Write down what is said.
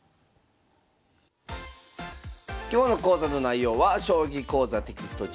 今日の講座の内容は「将棋講座」テキスト